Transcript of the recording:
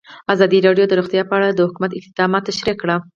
ازادي راډیو د روغتیا په اړه د حکومت اقدامات تشریح کړي.